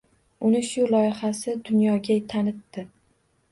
Uni shu loyihasi dunyoga tanitdi.